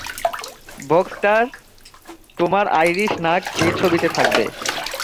বক্সটার, তোমার আইরিশ নাক এই ছবিতে থাকবে।